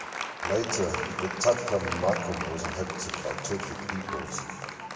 Later, the Taklamakan was inhabited by Turkic peoples.